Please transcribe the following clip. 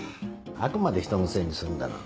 あくまで人のせいにするんだな。